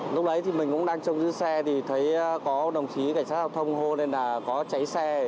lúc đấy thì mình cũng đang trông giữ xe thì thấy có đồng chí cảnh sát giao thông hô nên là có cháy xe